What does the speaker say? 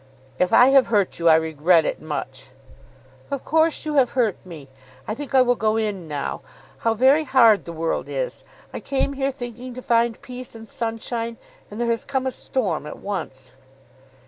"If I have hurt you, I regret it much." "Of course you have hurt me. I think I will go in now. How very hard the world is! I came here thinking to find peace and sunshine, and there has come a storm at once."